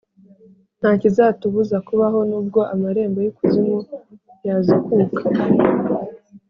Ntakizatubuza kubaho nubwo amrembo y’ikuzimu yazikuka